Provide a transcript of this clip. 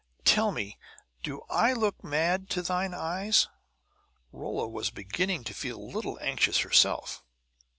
"Tell me; do I look mad, to thine eyes?" Rolla was beginning to feel a little anxious herself.